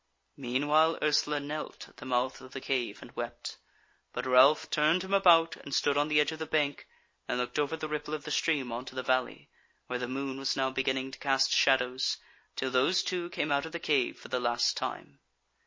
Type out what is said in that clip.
Meanwhile Ursula knelt at the mouth of the cave and wept; but Ralph turned him about and stood on the edge of the bank, and looked over the ripple of the stream on to the valley, where the moon was now beginning to cast shadows, till those two came out of the cave for the last time.